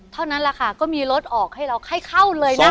เท่านั้นแหละค่ะก็มีรถออกให้เราให้เข้าเลยนะ